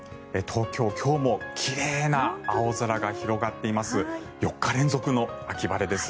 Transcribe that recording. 東京、今日も奇麗な青空が広がっています。